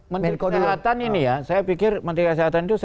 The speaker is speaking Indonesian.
menteri kesehatan ini ya saya pikir menteri kesehatan itu